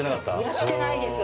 やってないです。